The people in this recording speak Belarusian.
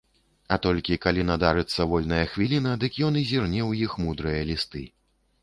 А толькі калі надарыцца вольная хвіліна, дык ён і зірне ў іх мудрыя лісты.